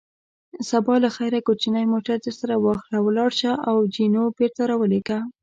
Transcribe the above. سبا له خیره کوچنی موټر درسره واخله، ولاړ شه او جینو بېرته را ولېږه.